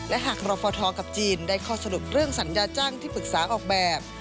และหากรฟทกับจีนได้ข้อสรุปเรื่องสัญญาจ้างที่ปรึกษาออกแบบ